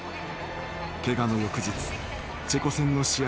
怪我の翌日チェコ戦の試合